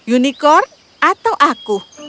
unicorn atau aku